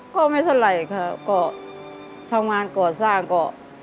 ก็ไม่เท่าไหร่ค่ะก็ทำงานก่อสร้างก็